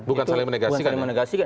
bukan saling menegasikan ya